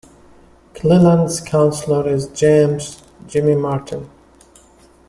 Cleland's councillor is James "Jimmy" Martin.